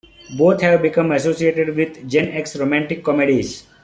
Both have become associated with Gen-X romantic comedies.